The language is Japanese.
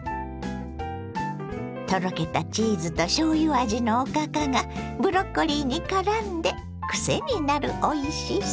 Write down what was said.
とろけたチーズとしょうゆ味のおかかがブロッコリーにからんでクセになるおいしさ！